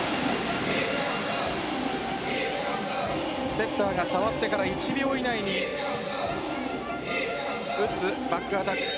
セッターが触ってから１秒以内に打つバックアタック。